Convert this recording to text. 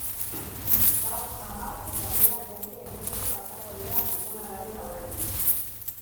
Gaur hamar eta bihar beste hainbeste pasako dira tribunalaren aurretik.